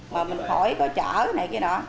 mà mình khỏi có chở này kia nọ